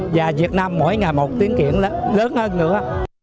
và việt nam mỗi ngày một tiến kiện lớn hơn nữa